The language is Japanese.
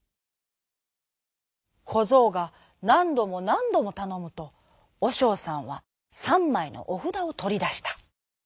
こぞうがなんどもなんどもたのむとおしょうさんはさんまいのおふだをとりだした。